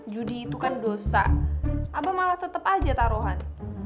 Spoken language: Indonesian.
judi itu kan dosa abah malah tetap aja taruhan